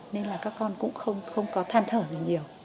nên là các con cũng không có than thở gì nhiều